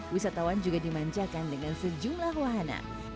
wisatawan juga dimanjakan dengan sejumlah wahana